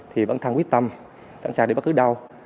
thì bản thân quyết tâm sẵn sàng đi bất cứ đâu